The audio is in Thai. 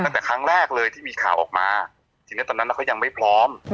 ตั้งแต่ครั้งแรกเลยที่มีข่าวออกมาทีนี้ตอนนั้นเขายังไม่พร้อม